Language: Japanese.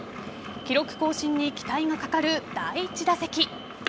記録更新に期待がかかる第１打席。